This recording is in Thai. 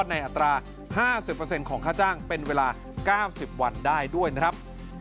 อัตรา๕๐ของค่าจ้างเป็นเวลา๙๐วันได้ด้วยนะครับ